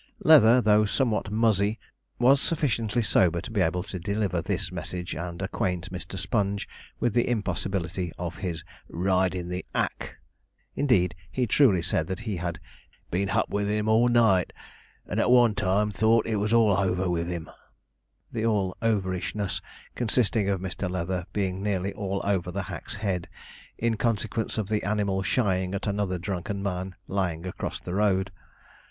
Leather, though somewhat muzzy, was sufficiently sober to be able to deliver this message, and acquaint Mr. Sponge with the impossibility of his 'ridin' the 'ack.' Indeed, he truly said that he had 'been hup with him all night, and at one time thought it was all hover with him,' the all overishness consisting of Mr. Leather being nearly all over the hack's head, in consequence of the animal shying at another drunken man lying across the road.